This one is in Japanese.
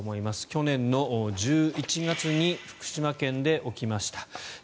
去年１１月に福島県で起きました。